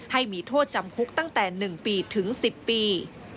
ให้มีโทษจำคุกตั้งแต่๑ปีถึง๑๐ปี